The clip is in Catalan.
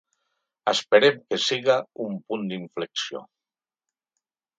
Esperem que siga un punt d’inflexió.